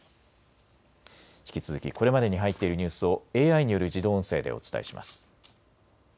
引き続きこれまでに入っているニュースをＡＩによる自動音声でお伝えします。